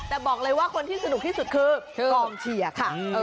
แต่บอกเลยว่าคนที่สนุกที่สุดคือกองเชียร์ค่ะ